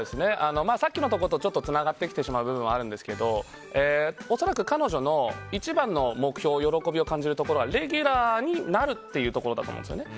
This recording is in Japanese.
さっきのこと、ちょっとつながってきてしまう部分はあるんですけど恐らく彼女の一番の目標喜びを感じるところはレギュラーになるというところだと思うんですね。